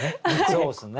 そうですね。